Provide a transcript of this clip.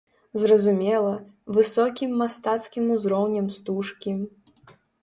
Зразумела, высокім мастацкім узроўнем стужкі.